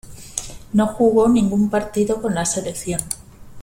No jugó ningún partido con la selección.